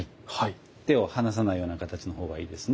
手を離さないような形の方がいいですね